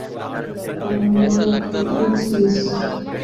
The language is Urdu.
کمالہ خان عرف مس